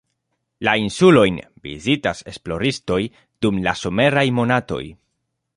La insulojn vizitas esploristoj, dum la someraj monatoj.